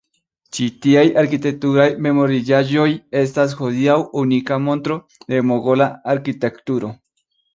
Ĉi tieaj arkitekturaj memorigaĵoj estas hodiaŭ unika montro de mogola arkitekturo.